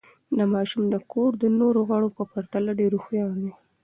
دا ماشوم د کور د نورو غړو په پرتله ډېر هوښیار دی.